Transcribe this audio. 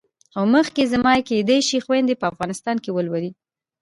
خو مخکې زما یې کېدای شي خویندې په افغانستان کې ولولي.